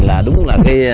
là đúng là